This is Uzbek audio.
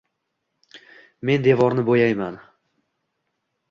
men devorni bo‘yayman